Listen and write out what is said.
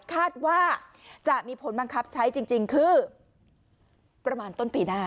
คาดว่าจะมีผลบังคับใช้จริงคือประมาณต้นปีหน้า